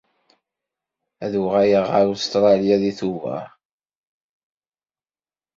Ad uɣaleɣ ɣer Ustṛalya deg Tubeṛ.